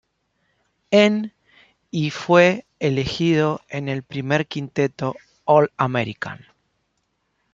En y fue elegido en el primer quinteto All-American.